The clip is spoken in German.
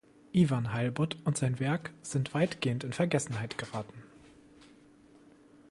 Iwan Heilbut und sein Werk sind weitgehend in Vergessenheit geraten.